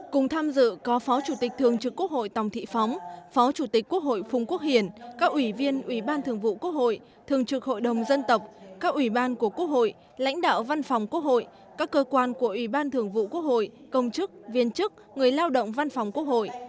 cùng tham dự có phó chủ tịch thường trực quốc hội tòng thị phóng phó chủ tịch quốc hội phùng quốc hiền các ủy viên ủy ban thường vụ quốc hội thường trực hội đồng dân tộc các ủy ban của quốc hội lãnh đạo văn phòng quốc hội các cơ quan của ủy ban thường vụ quốc hội công chức viên chức người lao động văn phòng quốc hội